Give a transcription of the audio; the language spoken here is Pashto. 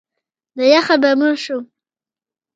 د یخه به مړ شم!